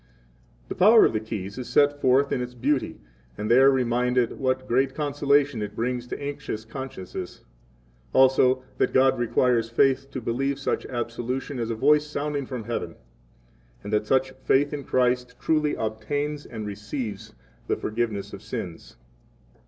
The power of the Keys is set forth in its beauty and they are reminded what great consolation it brings to anxious consciences, also, that God requires faith to believe such absolution as a voice sounding from heaven, and that such faith in Christ truly obtains and receives the forgiveness of sins.